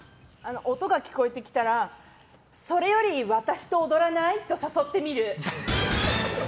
音が聞こえてきたらそれより私と踊らない？と誘ってみる。